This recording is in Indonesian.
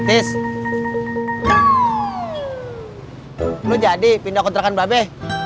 tis lo jadi pindah kontrakan mba be